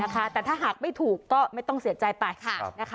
นะคะแต่ถ้าหักไม่ถูกก็ไม่ต้องเสียใจไปค่ะนะคะ